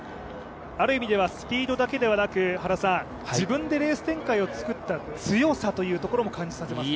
ある意味ではスピードだけではなく自分でレース展開を作った強さというところも感じさせますが。